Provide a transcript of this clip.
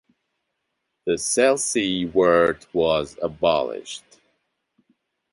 The Selsey ward was abolished.